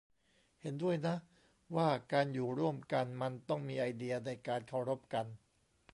เห็นด้วยนะว่าการอยู่ร่วมกันมันต้องมีไอเดียในการเคารพกัน